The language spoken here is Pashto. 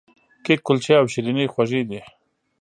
کیک، کلچې او شیریني خوږې دي.